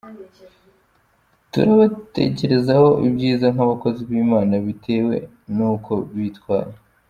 Turabatekerezaho ibyiza nk’abakozi b’Imana bitewe n’uko bitwaye.